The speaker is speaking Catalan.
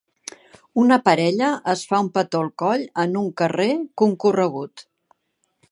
Una parella es fa un petó al coll en un carrer concorregut.